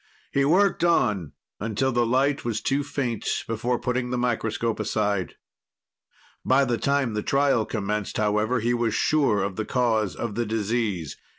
He worked on until the light was too faint before putting the microscope aside. By the time the trial commenced, however, he was sure of the cause of the disease.